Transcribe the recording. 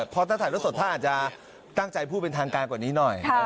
เพราะถ้าถ่ายรถสดถ้าอาจจะตั้งใจพูดเป็นทางการกว่านี้หน่อย